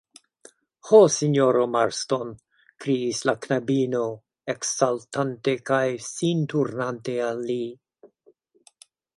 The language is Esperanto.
Ho, sinjoro Marston, kriis la knabino, eksaltante kaj sin turnante al li.